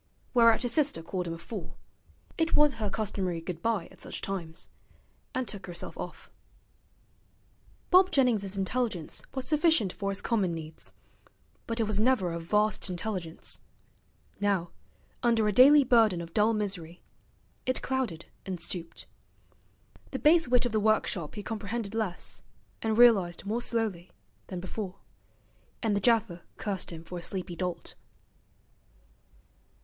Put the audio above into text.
Whereat his sister called him a fool (it was her customary goodbye at such times), and took herself off. Bob Jennings's intelligence was sufficient for his common needs, but it was never a vast intelligence. Now, under a daily burden of dull misery, it clouded and stooped. The base wit of the workshop he comprehended less, and realized more slowly, than before; and the gaffer cursed him for a sleepy dolt.